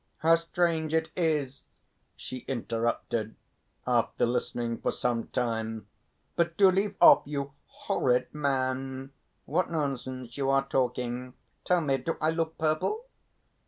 "How strange it is," she interrupted, after listening for some time. "But do leave off, you horrid man. What nonsense you are talking.... Tell me, do I look purple?"